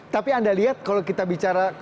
tapi anda lihat kalau kita bicara